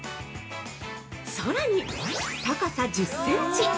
さらに、高さ１０センチ！